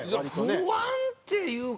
不安っていうか。